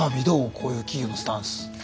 こういう企業のスタンス。